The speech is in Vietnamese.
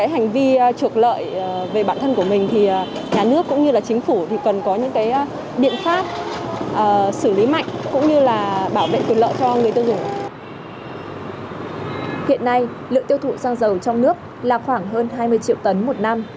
hiện nay lượng tiêu thụ xăng dầu trong nước là khoảng hơn hai mươi triệu tấn một năm